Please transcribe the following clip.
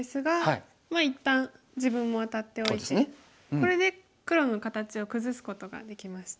これで黒の形を崩すことができました。